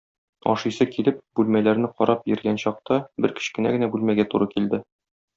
Ашыйсы килеп, бүлмәләрне карап йөргән чакта, бер кечкенә генә бүлмәгә туры килде.